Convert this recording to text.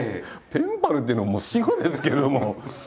「ペンパル」っていうのももう死語ですけども。